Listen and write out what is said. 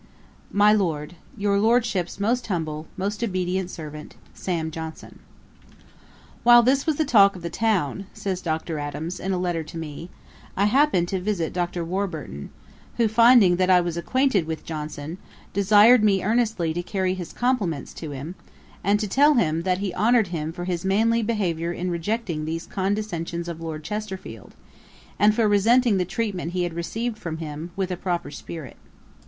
'My Lord, 'Your Lordship's most humble, 'Most obedient servant, 'SAM. JOHNSON.' 'While this was the talk of the town, (says Dr. Adams, in a letter to me) I happened to visit Dr. Warburton, who finding that I was acquainted with Johnson, desired me earnestly to carry his compliments to him, and to tell him, that he honoured him for his manly behaviour in rejecting these condescensions of Lord Chesterfield, and for resenting the treatment he had received from him, with a proper spirit.